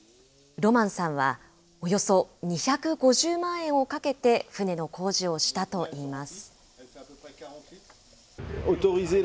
ロマンさんは、およそ２５０万円をかけて船の工事をしたといいます。